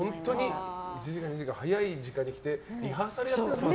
本当に早い時間に来てリハーサルやってるんですよ